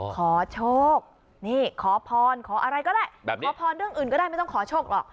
ขอโชคนี่ขอพรขออะไรก็ได้แบบนี้ขอพรเรื่องอื่นก็ได้ไม่ต้องขอโชคหรอก